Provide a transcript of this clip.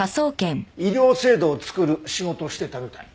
医療制度を作る仕事をしてたみたい。